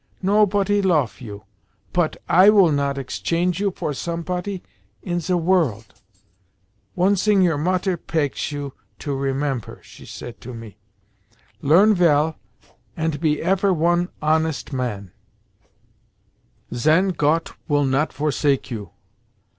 'Nopoty loaf you, pot I will not exchange you for somepoty in ze worlt, One zing your Mutter pegs you, to rememper,' sayt she to me, 'learn vell, ant be efer one honest man; zen Got will not forsake you.